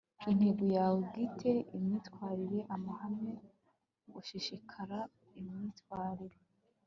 intego yawe bwite, imyitwarire, amahame, gushishikara, imyitwarire